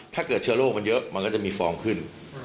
ถ้าเกิดเชื้อโรคมันเยอะมันก็จะมีฟองขึ้น